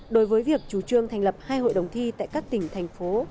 đối với việc chủ trương thành lập hai hội đồng thi tại các tỉnh thành phố